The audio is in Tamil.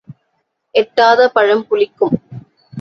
எட்டாத பழம் புளிக்கும்.